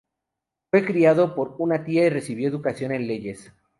Fue criado por una tía y recibió educación en leyes.